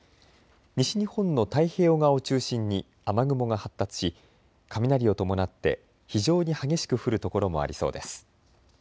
西日本の太平洋側を中心に雨雲が発達し雷を伴って非常に激しく降る所もありそうです。